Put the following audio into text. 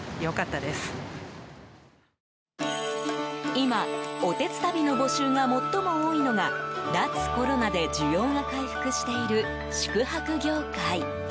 今、おてつたびの募集が最も多いのが脱コロナで需要が回復している宿泊業界。